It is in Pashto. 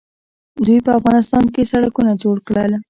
دوی په افغانستان کې سړکونه جوړ کړل.